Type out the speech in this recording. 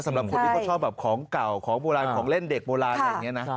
สำหรับคนที่เขาชอบแบบของเก่าของโบราณของเล่นเด็กโบราณอย่างนี้นะ